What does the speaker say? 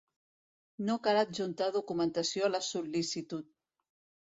No cal adjuntar documentació a la sol·licitud.